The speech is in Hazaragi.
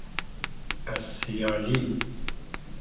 از سیایی